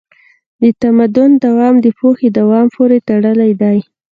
د تمدن دوام د پوهې دوام پورې تړلی دی.